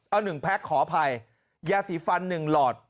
เอาหนึ่งแพ็คขออภัยยาสีฟันหนึ่งหลอด